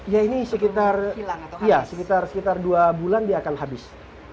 ya ini sekitar dua bulan dia akan habis